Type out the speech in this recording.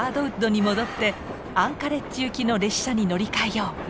ウッドに戻ってアンカレッジ行きの列車に乗り換えよう。